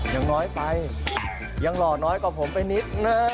ยังน้อยไปยังหล่อน้อยกว่าผมไปนิดนะ